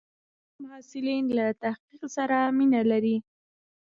ځینې محصلین له تحقیق سره مینه لري.